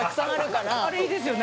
あれいいですよね